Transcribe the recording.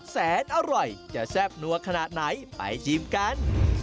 แสนอร่อยจะแซ่บนัวขนาดไหนไปชิมกัน